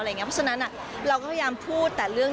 เพราะฉะนั้นเราก็พยายามพูดแต่เรื่อง